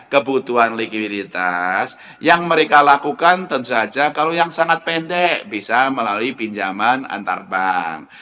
kebutuhan likuiditas yang mereka lakukan tentu saja kalau sangat pendek auch yang biasa melalui pinjaman antarbank